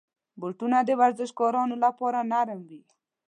بوټونه د ورزشکارانو لپاره نرم وي.